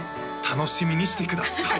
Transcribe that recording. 楽しみにしてください